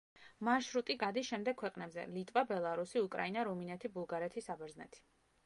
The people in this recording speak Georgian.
მარშრუტი გადის შემდეგ ქვეყნებზე: ლიტვა, ბელარუსი, უკრაინა, რუმინეთი, ბულგარეთი, საბერძნეთი.